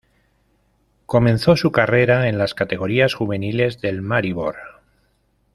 Comenzó su carrera en las categorías juveniles del Maribor.